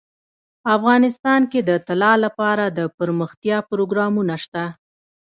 افغانستان کې د طلا لپاره دپرمختیا پروګرامونه شته.